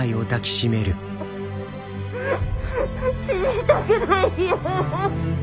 死にたくないよ！